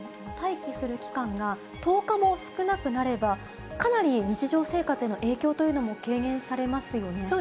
待機する期間が１０日も少なくなれば、かなり日常生活への影響というのも軽減されますよね。